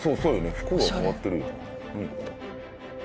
服が変わってるよね。